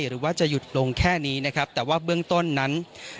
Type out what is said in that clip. หรือว่าจะหยุดลงแค่นี้นะครับแต่ว่าเบื้องต้นนั้น